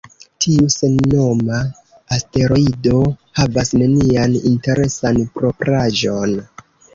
Tiu sennoma asteroido havas nenian interesan propraĵon.